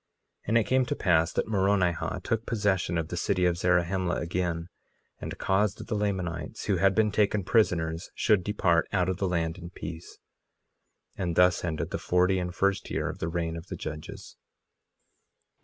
1:33 And it came to pass that Moronihah took possession of the city of Zarahemla again, and caused that the Lamanites who had been taken prisoners should depart out of the land in peace. 1:34 And thus ended the forty and first year of the reign of the judges.